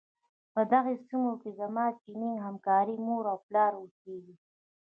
په دغې سيمې کې زما د چيني همکارې مور او پلار اوسيږي.